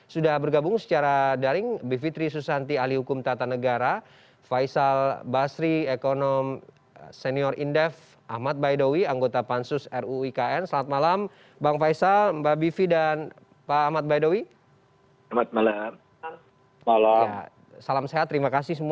sudah bergabung secara daring bivitri susanti ahli hukum tata negara faisal basri ekonom senior indef ahmad baydowi anggota pansus ruu ikn